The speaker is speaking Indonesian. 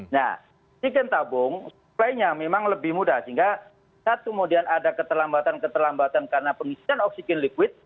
nah stok oksigen yang tabung memang lebih mudah sehingga saat kemudian ada keterlambatan keterlambatan karena pengisian oksigen yang liquid